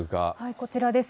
こちらです。